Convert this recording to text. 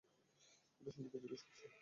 এটা সম্পর্কে জিজ্ঞাস করছো কেন?